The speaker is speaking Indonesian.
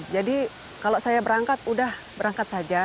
jadi kalau saya berangkat udah berangkat saja